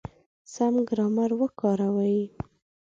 سم ګرامر وکاروئ!